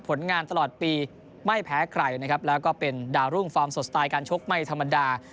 ผลงานตลอดปีไม่แพ้ใครนะครับแล้วก็เป็นดาวรุ่งฟอร์มสดสไตล์การชกไม่ธรรมดา